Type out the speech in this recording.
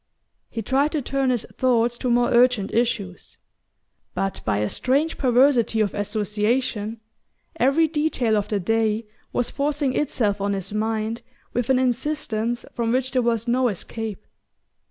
He tried to turn his thoughts to more urgent issues; but, by a strange perversity of association, every detail of the day was forcing itself on his mind with an insistence from which there was no escape.